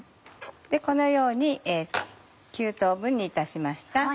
このように９等分にいたしました。